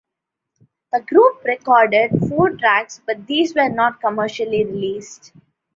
The group recorded four tracks but these were not commercially released.